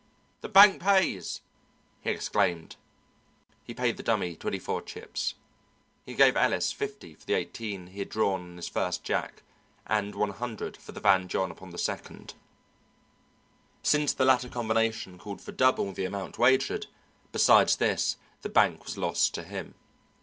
"The bank pays," he exclaimed. He paid the Dummy twenty four chips. He gave Ellis fifty for the eighteen he had drawn on his first jack, and one hundred for the Van John upon the second, since the latter combination called for double the amount wagered; besides this, the bank was lost to him.